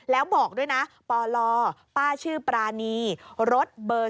แล้วบอกด้วยนะปลป้าชื่อปรานีรถเบอร์๒